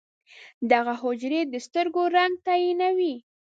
دغه حجرې د سترګو رنګ تعیینوي.